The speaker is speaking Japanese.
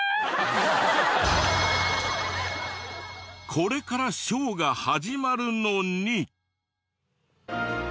これからショーが始まるのに。